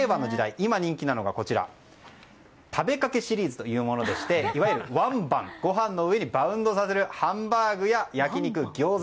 今、人気なのが食べかけシリーズというものでいわゆるワンバンご飯の上にバウンドさせるハンバーグや焼き肉、ギョーザ